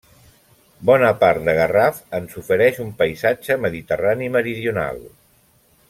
Bona part de Garraf ens ofereix un paisatge mediterrani meridional.